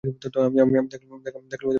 আমি দেখলাম, মেয়েটা খাটের উপর বসে আছে।